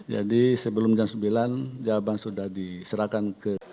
jadi sebelum jam sembilan jawaban sudah diserahkan ke